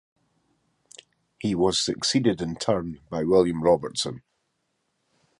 He was succeeded in turn by William Robertson.